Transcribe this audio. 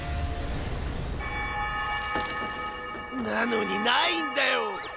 なのにないんだよ。